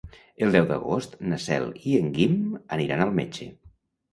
El deu d'agost na Cel i en Guim aniran al metge.